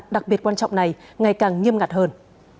đặc biệt quan trọng này ngày càng nghiêm ngặt hơn